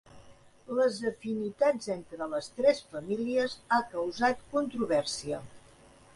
Les afinitats entre les tres famílies ha causat controvèrsia.